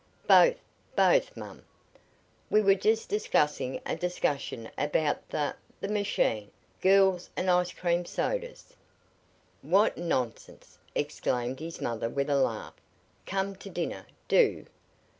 "Both both, mum! We were just discussing a discussion about the the machine, girls and ice cream sodas." "What nonsense!" exclaimed his mother with a laugh. "Come to dinner, do.